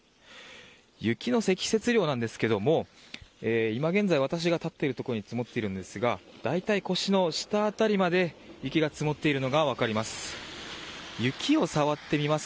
雪の積雪量なんですけれども今現在、私が立っているところに積もっているんですが大体腰の下辺りまで雪が積もっているのが分かります。